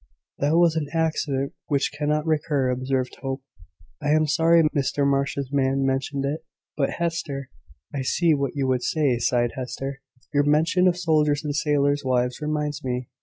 "That was an accident which cannot recur," observed Hope. "I am sorry Mr Marsh's man mentioned it. But Hester ." "I see what you would say," sighed Hester; "your mention of soldiers' and sailors' wives reminds me.